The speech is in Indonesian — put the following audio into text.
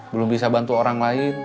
belum bisa bantu orang